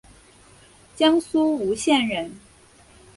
江苏吴县人。